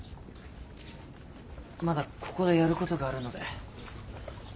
まだここでやることがあるので。